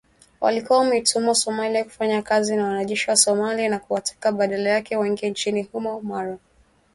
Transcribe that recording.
Walikuwa wametumwa Somalia kufanya kazi na wanajeshi wa Somalia na kuwataka badala yake waingie nchini humo mara kwa mara kusaidia